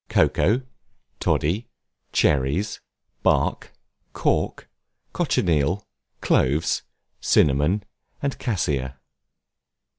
COCOA, TODDY, CHERRIES, BARK, CORK, COCHINEAL, CLOVES, CINNAMON, AND CASSIA.